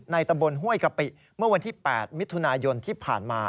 ตำบลห้วยกะปิเมื่อวันที่๘มิถุนายนที่ผ่านมา